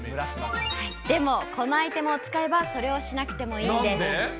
でもこのアイテムを使えばそれをしなくてもいいんです。